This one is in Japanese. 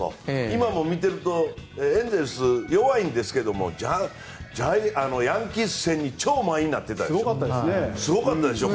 今、見ているとエンゼルス、弱いんですけどヤンキース戦超満員になってたでしょ。